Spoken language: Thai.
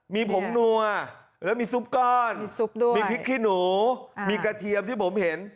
มีผงนัวแล้วมีซุปก้อนมีพริกขี้หนูมีกระเทียมที่ผมเห็น